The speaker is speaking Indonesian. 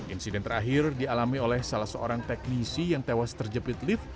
insiden terakhir dialami oleh salah seorang teknisi yang tewas terjepit lift